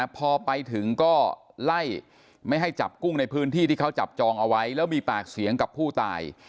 พอไปถึงก็ไล่ไม่ให้จับกุ้งในพื้นที่ที่เขาจับจองเอาไว้แล้วมีปากเสียงกับผู้ตาย